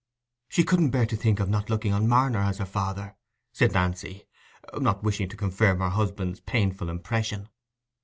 "She couldn't bear to think of not looking on Marner as her father," said Nancy, not wishing to confirm her husband's painful impression.